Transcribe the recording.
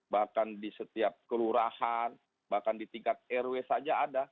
bahkan di setiap kelurahan bahkan di tingkat rw saja ada